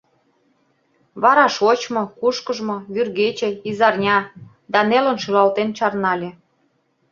— Вара шочмо, кушкыжмо, вӱргече, изарня, — да нелын шӱлалтен чарнале